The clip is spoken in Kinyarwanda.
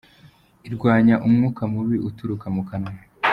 Irwanya umwuka mubi uturuka mu kanwa.